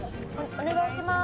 お願いします。